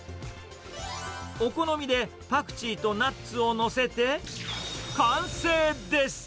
お好みでパクチーとナッツを載せて、完成です。